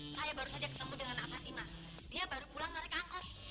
saya baru saja ketemu dengan fatima dia baru pulang dari ke angkot